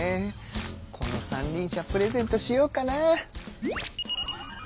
この三輪車プレゼントしようかな。